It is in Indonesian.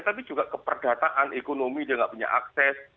tapi juga keperdataan ekonomi dia nggak punya akses